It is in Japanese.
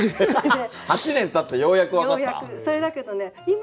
８年たってようやく分かった？